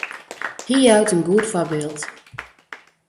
Hy jout in goed foarbyld.